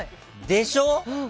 でしょ！